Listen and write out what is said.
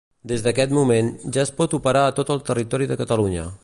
Des d'aquest moment, ja es pot operar a tot el territori de Catalunya.